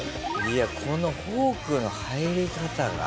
いやこのフォークの入り方が。